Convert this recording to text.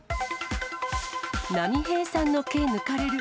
波平さんの毛抜かれる。